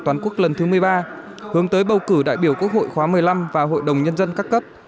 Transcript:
toàn quốc lần thứ một mươi ba hướng tới bầu cử đại biểu quốc hội khóa một mươi năm và hội đồng nhân dân các cấp